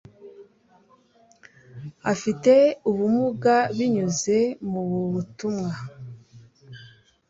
abafite ubumuga binyuze mububutumwa